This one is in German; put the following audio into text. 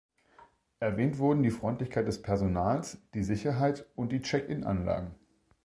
Erwähnt wurden die Freundlichkeit des Personals, die Sicherheit und die Check-in-Anlagen.